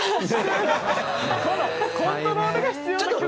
コントロールが必要な曲。